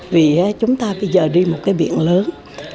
vì chúng ta bây giờ đi một cái viện lớn